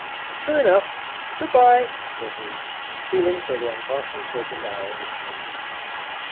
'True enough! Good bye!' said he, feeling for the unfastened hook and eye on his coat.